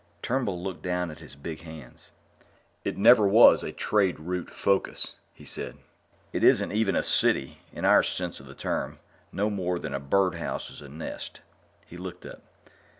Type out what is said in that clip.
Turnbull looked down at his big hands. "It never was a trade route focus," he said. "It isn't even a city, in our sense of the term, no more than a birdhouse is a nest." He looked up.